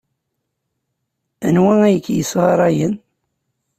Anwa ay k-yessɣarayen?